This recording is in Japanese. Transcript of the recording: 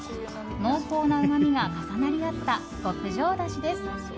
濃厚なうまみが重なり合った極上だしです。